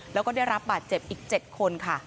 แล้วก็ได้รับบาดเจ็บอีก๗คนค่ะ